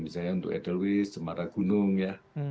misalnya untuk edelweiss cemara gunung ya